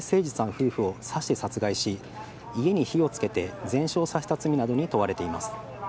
夫婦を刺して殺害し家に火をつけて全焼させた罪などに問われています。